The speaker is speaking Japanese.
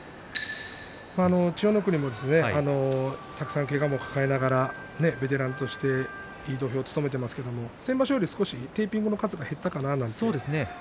千代の国はたくさんけがを抱えながらベテランとして土俵を務めていますけれども先場所よりはテーピングの数が減ったかなと思います。